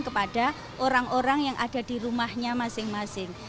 kepada orang orang yang ada di rumahnya masing masing